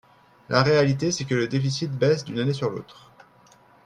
La réalité, c’est que le déficit baisse d’une année sur l’autre.